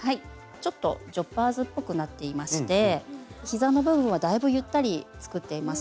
ちょっとジョッパーズっぽくなっていまして膝の部分はだいぶゆったり作っています。